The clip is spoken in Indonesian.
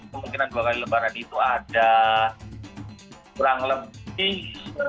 kemungkinan dua kali lebaran itu ada kurang lebih